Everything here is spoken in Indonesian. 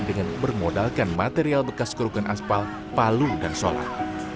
dengan bermodalkan material bekas kurugan aspal palu dan sholat